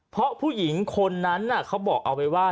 เพราะผู้หญิงคนนั้นเขาบอกเอาไว้ว่า